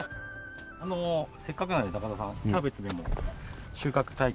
せっかくなので高田さんキャベツでも収穫体験。